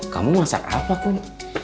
kamu masak apa kum